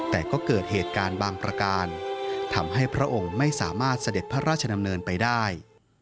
แต่ก็เกิดเหตุการณ์บางประการทำให้พระองค์ไม่สามารถเสด็จพระราชดำเนินไปได้